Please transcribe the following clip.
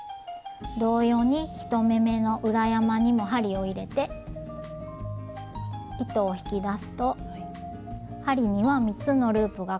同様に１目めの裏山にも針を入れて糸を引き出すと針には３つのループがかかった状態になります。